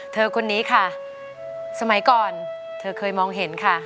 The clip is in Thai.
คนนี้ค่ะสมัยก่อนเธอเคยมองเห็นค่ะ